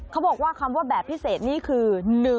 เขาบอกว่าคำว่าแบบพิเศษนี่คือ